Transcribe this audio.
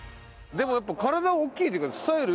でもやっぱ体大きいっていうかスタイルいい。